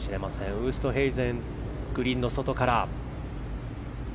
ウーストヘイゼングリーンの外から。